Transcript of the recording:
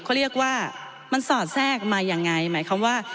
เขาเรียกว่ามันสอดแทรกมาอย่างไร